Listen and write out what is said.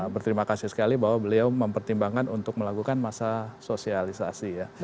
berterima kasih sekali bahwa beliau mempertimbangkan untuk melakukan masa sosialisasi ya